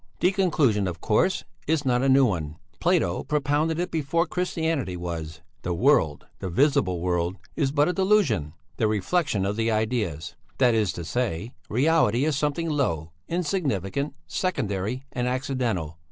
The conclusion, of course, is not a new one; Plato propounded it before Christianity was: the world, the visible world, is but a delusion, the reflexion of the ideas; that is to say, reality is something low, insignificant, secondary and accidental.